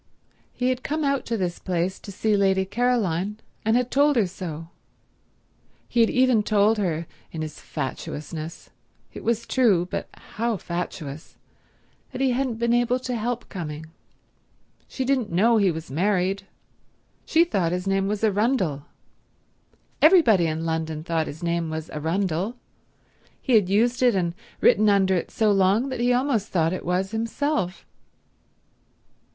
He had come out to this place to see Lady Caroline, and had told her so. He had even told her in his fatuousness—it was true, but how fatuous—that he hadn't been able to help coming. She didn't know he was married. She thought his name was Arundel. Everybody in London thought his name was Arundel. He had used it and written under it so long that he almost thought it was himself.